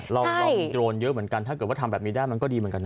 เรามีโดรนเยอะเหมือนกันถ้าเกิดว่าทำแบบนี้ได้มันก็ดีเหมือนกันนะ